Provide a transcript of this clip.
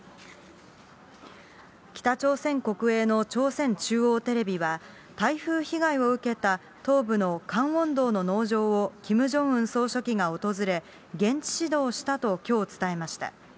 北朝鮮国営の朝鮮中央テレビは、台風被害を受けた東部のカンウォン道の農場をキム・ジョンウン総書記が訪れ、現地指導したときょう伝えました。